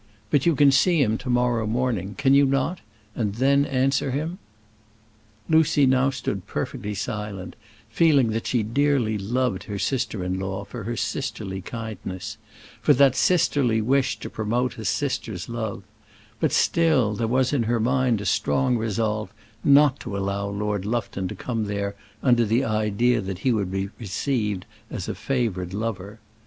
But you can see him to morrow morning, can you not? and then answer him." Lucy now stood perfectly silent, feeling that she dearly loved her sister in law for her sisterly kindness for that sisterly wish to promote a sister's love; but still there was in her mind a strong resolve not to allow Lord Lufton to come there under the idea that he would be received as a favoured lover.